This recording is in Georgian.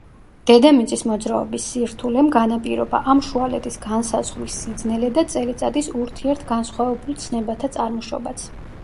დედამიწის მოძრაობის სირთულემ განაპირობა ამ შუალედის განსაზღვრის სიძნელე და წელიწადის ურთიერთგანსხვავებულ ცნებათა წარმოშობაც.